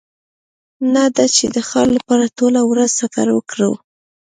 نه دا چې د ښار لپاره ټوله ورځ سفر وکړو